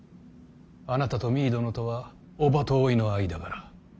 あなたと実衣殿とは叔母と甥の間柄。